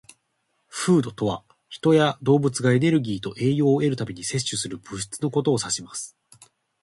"Food" とは、人や動物がエネルギーと栄養を得るために摂取する物質のことを指します。